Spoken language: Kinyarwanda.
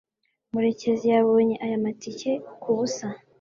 murekezi yabonye aya matike kubusa